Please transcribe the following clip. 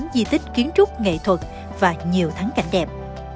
sáu mươi tám di tích kiến trúc nghệ thuật và nhiều thắng cảnh đẹp